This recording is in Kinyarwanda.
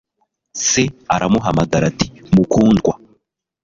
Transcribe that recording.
Se aramuhamagara ati: "Mukundwa".